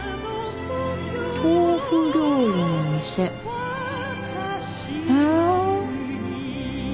豆腐料理の店へえ。